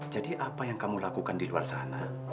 jadi apa yang kamu lakukan di luar sana